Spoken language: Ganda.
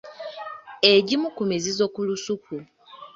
Egimu ku mizizo ku lusuku.